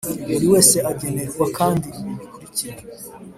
Buri wese agenerwa kandi ibi bikurikira